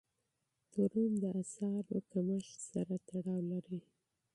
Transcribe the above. تورم د اسعارو کمښت سره تړاو لري.